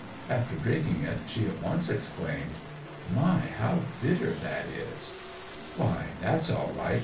After drinking it she at once exclaimed, "My, how bitter that is!" "Why, that's all right!"